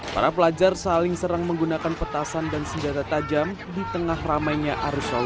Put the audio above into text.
para pelajar saling serang menggunakan petasan dan senjata tajam di tengah ramainya arus lalu lintas